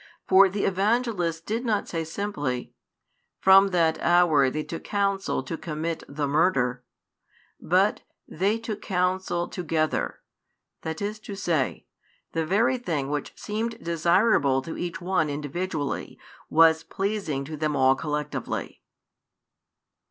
For the Evangelist did not say simply: "From that hour they took counsel to commit the murder," but: "They took counsel together;" that is to say, the very thing which seemed desirable to each one individually was pleasing to them all collectively.